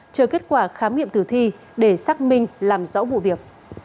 chờ kết quả khám nghiệm tử thi để xác minh làm rõ vụ việc